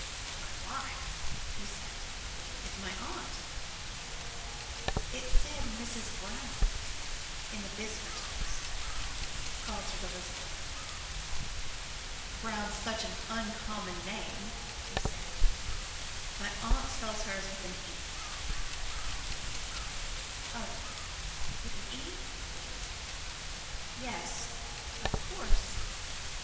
"My wife?" he said; "it's my aunt." "It said 'Mrs. Brown' in the visitors' list," faltered Elizabeth. "Brown's such an uncommon name," he said; "my aunt spells hers with an E." "Oh! with an E? Yes, of course.